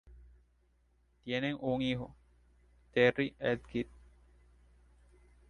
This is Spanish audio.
Tienen un hijo, Terry the Kid.